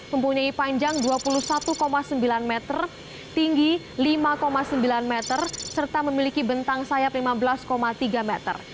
mempunyai panjang dua puluh satu sembilan meter tinggi lima sembilan meter serta memiliki bentang sayap lima belas tiga meter